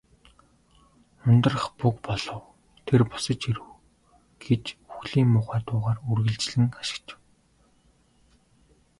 "Ундрах буг болов. Тэр босож ирэв" гэж үхлийн муухай дуугаар үргэлжлэн хашхичив.